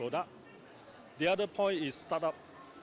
bagaimana kita memberikan kemampuan untuk startup